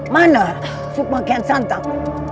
mana sukma kian santang